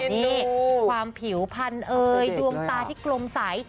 นี่ความผิวพันธุ์เอ่ยดวงตาที่กลมใส